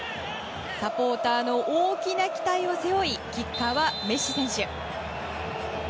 サポーターの大きな期待を背負いキッカーはメッシ選手。